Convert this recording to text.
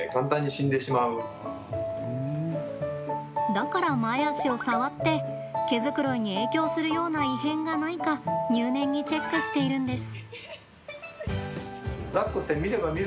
だから前足を触って毛づくろいに影響するような異変がないか入念にチェックしているんです。